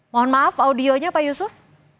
mohon maaf audionya pak yusuf